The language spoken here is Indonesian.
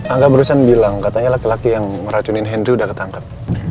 angga barusan bilang katanya laki laki yang meracunin henry udah ketangkep